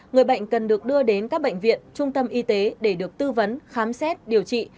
người bệnh cần được đưa đến các bệnh viện trung tâm y tế để được tư vấn khám xét điều trị